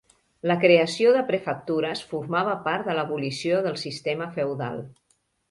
La creació de prefectures formava part de l'abolició del sistema feudal.